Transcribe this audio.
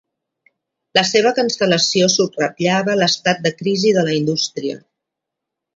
La seva cancel·lació subratllava l'estat de crisi de la indústria.